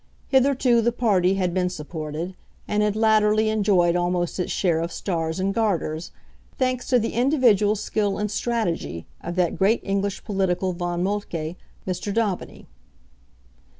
Hitherto the party had been supported, and had latterly enjoyed almost its share of stars and Garters, thanks to the individual skill and strategy of that great English political Von Moltke Mr. Daubeny.